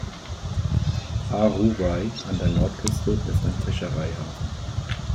Ar-Ruwais an der Nordküste ist ein Fischereihafen.